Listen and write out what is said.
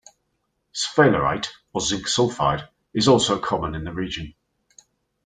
Sphalerite or zinc sulfide is also, common in the region.